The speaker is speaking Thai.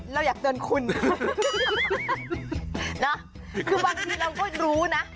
เราอยากเตือนคุณนะคือบางทีเราก็รู้นะ